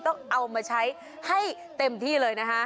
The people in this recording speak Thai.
ต้องเอามาใช้ให้เต็มที่เลยนะคะ